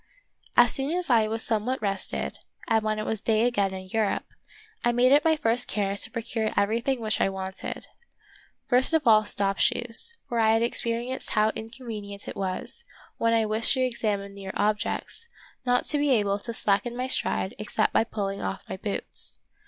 As soon as I was somewhat rested, and when it was day again in Europe, I made it my first care to procure everything which I wanted. First of all stop shoes ; for I had experienced how inconvenient it was, when I wished to ex amine near objects, not to be able to slacken my stride except by pulling off my boots.